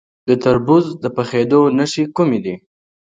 د تربوز د پخیدو نښې کومې دي؟